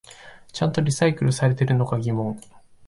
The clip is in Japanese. ちゃんとリサイクルされてるのか疑問